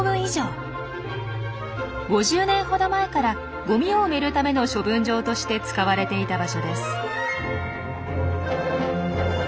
５０年ほど前からゴミを埋めるための処分場として使われていた場所です。